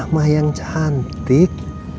nama yang cantik